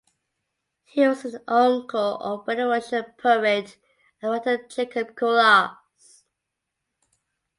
He was an uncle of Belarusian poet and writer Jakub Kolas.